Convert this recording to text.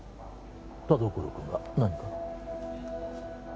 田所君が何か？